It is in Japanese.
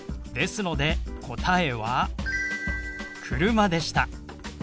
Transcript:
ですので答えは「車」でした。